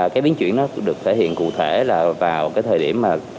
cái biến chuyển nó được thể hiện cụ thể là vào cái thời điểm mà